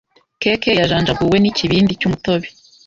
Cake yajanjaguwe n'ikibindi cy'umutobe.